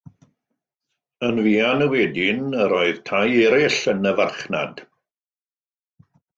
Yn fuan wedyn, yr oedd tai eraill yn y farchnad.